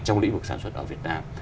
trong lĩnh vực sản xuất ở việt nam